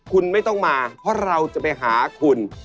คุณไม่ต้องมาเพราะเราจะไปหาคุณ